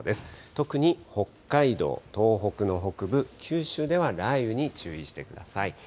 特に北海道、東北の北部、九州では雷雨に注意してください。